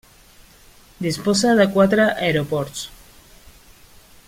Disposa de quatre aeroports.